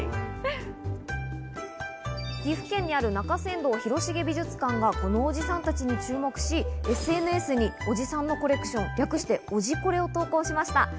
岐阜県にある中山道広重美術館がこのおじさんたちに注目し、ＳＮＳにおじさんのコレクション、略して・おじコレを投稿しました。